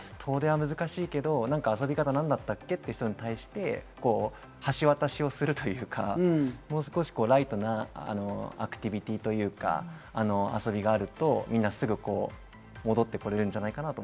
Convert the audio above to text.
みたいな人もいると思うので、そういう遠出は難しいけど、遊び方どうだっけ？っていう人への橋渡しをするというか、もう少しライトなアクティビティーというか、遊びがあるとみんなすぐ戻ってこれるんじゃないかなと。